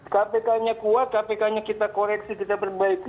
kpknya kuat kpknya kita koreksi kita perbaiki